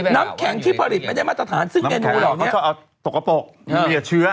น้ำแข็งที่ผลิตไม่ได้มาตรฐานซึ่งอันนี้เราชอบเอาตกกระโปรกเปรียบเชื้อ